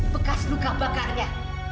bekas luka bakarnya